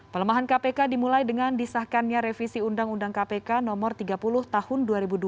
pelemahan kpk dimulai dengan disahkannya revisi undang undang kpk nomor tiga puluh tahun dua ribu dua